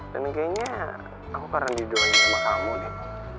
dan kayaknya aku karena didoain sama kamu deh